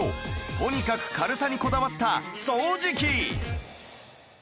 とにかく軽さにこだわった掃除機